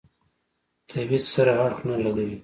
توحید سره اړخ نه لګوي.